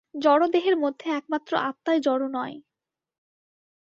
জড় দেহের মধ্যে একমাত্র আত্মাই জড় নয়।